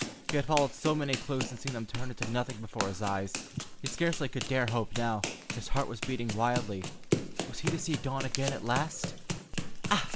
He had followed so many clues and seen them turn into nothing before his eyes, he scarcely could dare hope now. His heart was beating wildly. Was he to see Dawn again at last?